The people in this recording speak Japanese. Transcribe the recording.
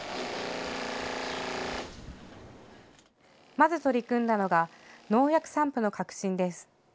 まず取り組んだのが農薬散布の革新です。